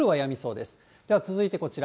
では続いてこちら。